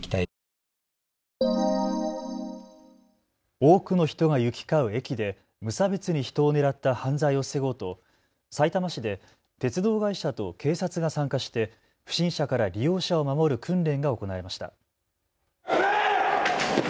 多くの人が行き交う駅で無差別に人を狙った犯罪を防ごうとさいたま市で鉄道会社と警察が参加して不審者から利用者を守る訓練が行われました。